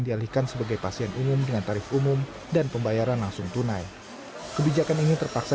dialihkan sebagai pasien umum dengan tarif umum dan pembayaran langsung tunai kebijakan ini terpaksa